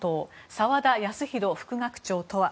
澤田康広副学長とは。